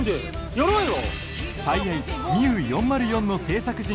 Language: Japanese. やろうよ